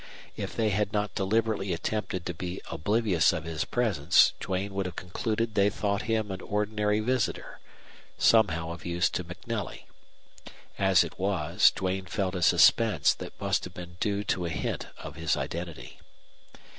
If they had not deliberately attempted to be oblivious of his presence Duane would have concluded they thought him an ordinary visitor, somehow of use to MacNelly. As it was, Duane felt a suspense that must have been due to a hint of his identity.